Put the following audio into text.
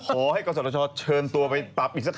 ขอให้กษัตริย์ชอบเชิญตัวไปปรับอีกสัก๕๐บาท